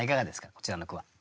こちらの句は。